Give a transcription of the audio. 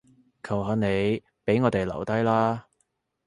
求下你，畀我哋留低啦